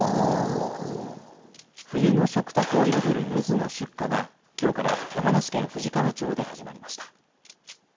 冬の食卓を彩るゆずの出荷がきょうから山梨県富士川町で始まりました。